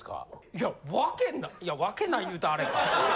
いやわけないいやわけない言うとアレか。